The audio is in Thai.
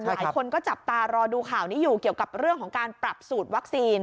หลายคนก็จับตารอดูข่าวนี้อยู่เกี่ยวกับเรื่องของการปรับสูตรวัคซีน